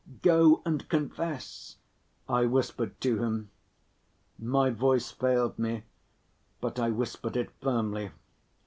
"Go and confess," I whispered to him. My voice failed me, but I whispered it firmly.